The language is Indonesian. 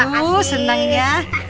aduh senang ya